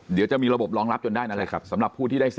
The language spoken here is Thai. เดี๋ยวจะมีระบบรองรับจนได้นั่นแหละครับสำหรับผู้ที่ได้สิ